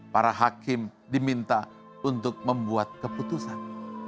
para hakim diminta untuk membuat keputusan